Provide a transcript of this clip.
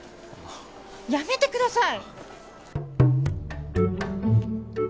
やめてください！